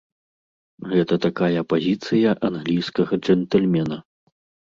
Гэта такая пазіцыя англійскага джэнтльмена.